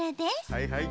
はいはい。